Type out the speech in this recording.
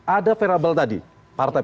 ada variable tadi partai